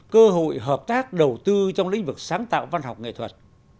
cơ hội hợp tác đầu tư trong lĩnh vực sáng tạo văn học nghệ thuật